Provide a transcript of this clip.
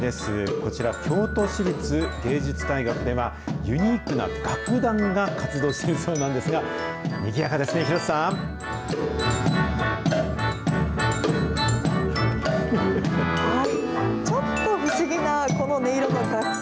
こちら京都市立芸術大学では、ユニークな楽団が活動しているそうなんですが、にぎやかですね、ちょっと不思議なこの音色の楽器。